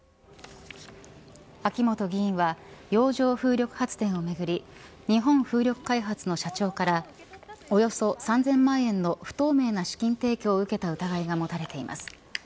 秋本議員は洋上風力発電をめぐり日本風力開発の社長からおよそ３０００万円の不透明な資金提供を受けた疑いが持たれています。